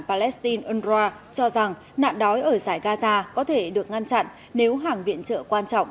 palestine unrwa cho rằng nạn đói ở giải gaza có thể được ngăn chặn nếu hàng viện trợ quan trọng